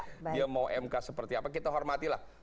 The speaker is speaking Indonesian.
dia mau mk seperti apa kita hormatilah